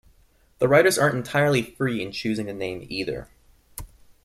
The writers aren't entirely free in choosing the name either.